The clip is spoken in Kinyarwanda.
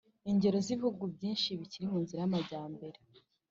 ingero z'ibihugu byinshi bikiri mu nzira y'amajyambere